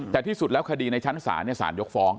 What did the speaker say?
แต่ที่สุดแล้วคดีในชั้นศาลศาลยกฟ้อง